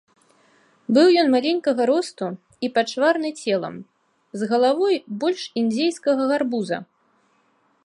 Быў ён маленькага росту і пачварны целам, з галавой больш індзейскага гарбуза.